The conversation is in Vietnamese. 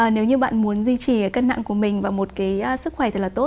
nếu như bạn muốn duy trì cân nặng của mình và một cái sức khỏe thật là tốt